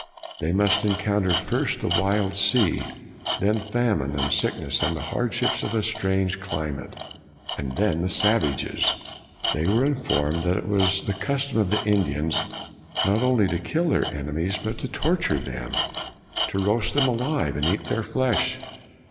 They must encounter first the wide sea; then famine and sickness, and the hardships of a strange climate, and then the savages. They were informed that it was the custom of the Indians not only to kill their enemies, but to torture them, to roast them alive and eat their flesh.